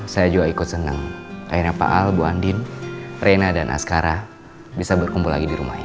saya juga ikut senang akhirnya pak al bu andin rena dan askara bisa berkumpul lagi di rumah ini